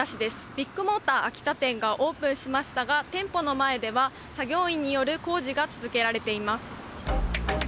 ビッグモーター秋田店がオープンしましたが店舗の前では作業員による工事が続けられています。